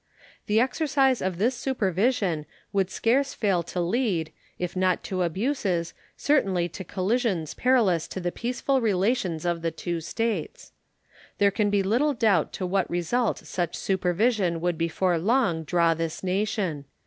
The exercise of this supervision could scarce fail to lead, if not to abuses, certainly to collisions perilous to the peaceful relations of the two States. There can be little doubt to what result such supervision would before long draw this nation.